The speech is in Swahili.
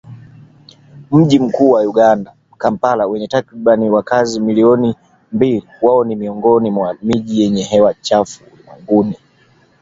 Mji mkuu wa Uganda, Kampala wenye takriban wakazi milioni mbili wao ni miongoni mwa miji yenye hewa chafu ulimwenguni.